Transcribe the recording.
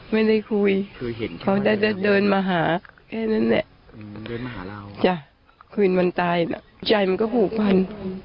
ไม่ได้คุยเค้าได้เดินมาหาแค่นั้นเนี่ยคืนมันตายแล้วใจมันก็หูพัน